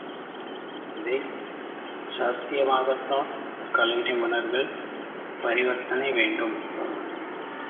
இதைச் சாத்தியமாக்கத்தான் கலை நிபுணர்கள் பரிவர்த்தனை வேண்டும்.